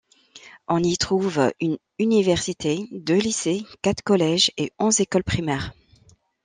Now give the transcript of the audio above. On y trouve une université, deux lycées, quatre collèges et onze écoles primaires.